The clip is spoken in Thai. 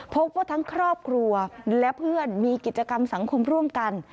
พบว่าทั้งครอบครัวและเพื่อนมีกิจกรรมสังคมร่วมกัน